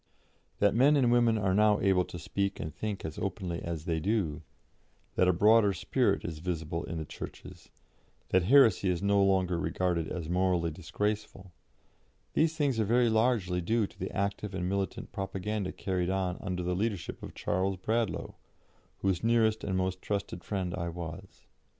" That men and women are now able to speak and think as openly as they do, that a broader spirit is visible in the Churches, that heresy is no longer regarded as morally disgraceful these things are very largely due to the active and militant propaganda carried on under the leadership of Charles Bradlaugh, whose nearest and most trusted friend I was.